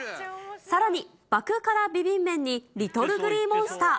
さらに、爆辛ビビン麺にＬｉｔｔｌｅＧｌｅｅＭｏｎｓｔｅｒ。